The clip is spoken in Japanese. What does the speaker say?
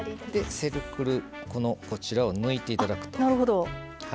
セルクル、こちらを抜いていただくと。